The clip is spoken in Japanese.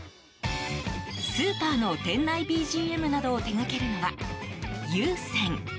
スーパーの店内ＢＧＭなどを手掛けるのは、ＵＳＥＮ。